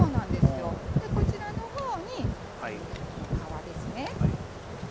こちらのほうに、この皮ですね。